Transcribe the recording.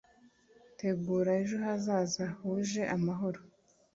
tegura ejo hazaza huje amahoro